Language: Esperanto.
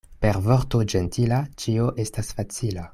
Per vorto ĝentila ĉio estas facila.